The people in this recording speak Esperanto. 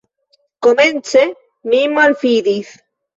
Komence mi malfidis.